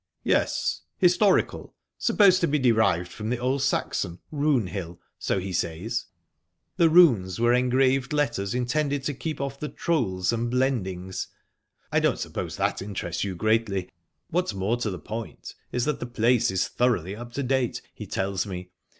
"Yes. Historical supposed to be derived from the old Saxon 'rune hill,' so he says. The runes were engraved letters, intended to keep off the trolls and blendings. I don't suppose that interests you greatly; what's more to the point is that the place is thoroughly up to date, he tells me.